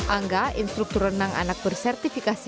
angga instruktur renang anak bersertifikasi